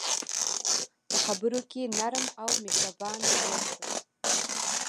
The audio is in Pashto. په خبرو کې نرم او مهربان اوسه.